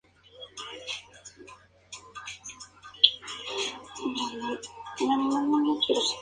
Puede estar hecho de papel reciclado y es ampliamente utilizado en todo el mundo.